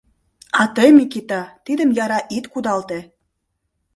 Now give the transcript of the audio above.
А тый, Микита, тидым яра ит кудалте.